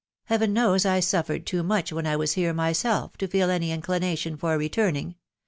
Heaven knows I suffered too much when I was here myself to feel any inclination for returning